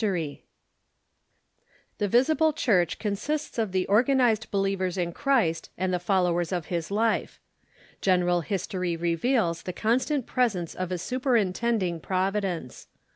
1883).] The visible Churcli consists of the organized believers in Christ and the followers of his life. General history reveals the constant presence of a superintending Providence.